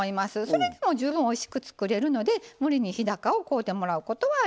それでも十分おいしく作れるので無理に日高を買うてもらうことはありません。